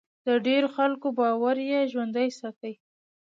د ډېرو خلکو باور یې ژوندی ساتي.